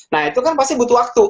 nah itu kan pasti butuh waktu